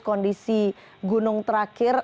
kondisi gunung terakhir